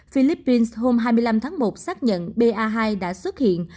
philippines hôm hai mươi năm tháng một xác nhận ba hai đã xuất hiện